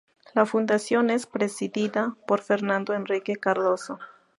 La fundación es presidida por Fernando Henrique Cardoso.